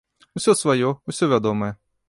Усё сваё, усё вядомае.